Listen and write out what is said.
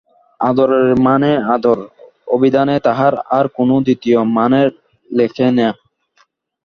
আদরের মানে আদর, অভিধানে তাহার আর কোনো দ্বিতীয় মানে লেখে না।